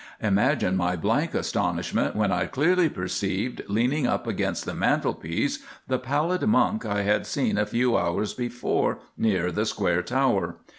Imagine my blank astonishment when I clearly perceived, leaning up against the mantelpiece, the pallid monk I had seen a few hours before near the Square Tower.